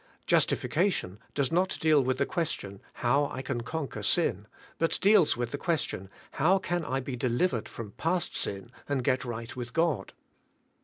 Justification does not deal with the question, how I can conquer sin, but deals with the question. How can I be delivered from past sin and get right with God?